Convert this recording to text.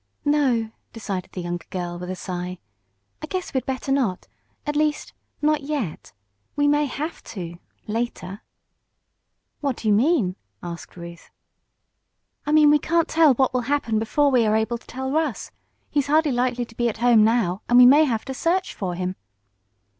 "No," decided the younger girl, with a sigh. "I guess we'd better not. At least not yet. We may have to later." "What do you mean?" asked Ruth. "I mean we can't tell what will happen before we are able to tell Russ. He's hardly likely to be at home now, and we may have to search for him."